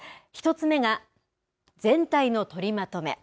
１つ目が全体の取りまとめ。